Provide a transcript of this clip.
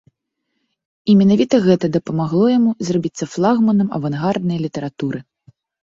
І менавіта гэта дапамагло яму зрабіцца флагманам авангарднай літаратуры.